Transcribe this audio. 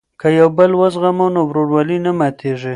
که یو بل وزغمو نو ورورولي نه ماتیږي.